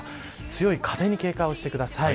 強い風に警戒してください。